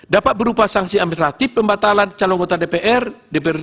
dapat berupa sanksi administratif pembatalan calon anggota dpr dprd